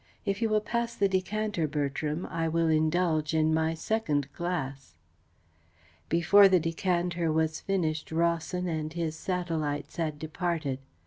If you will pass the decanter, Bertram, I will indulge in my second glass." Before the decanter was finished Rawson and his satellites had departed.